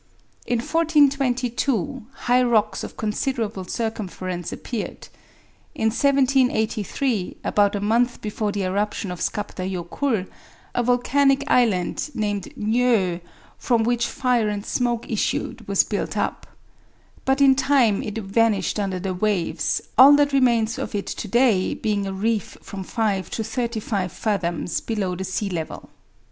In 1422 high rocks of considerable circumference appeared. In 1783, about a month before the eruption of Skaptar Jokull, a volcanic island named Nyoe, from which fire and smoke issued, was built up. But in time it vanished under the waves, all that remains of it to day being a reef from five to thirty five fathoms below the sea level.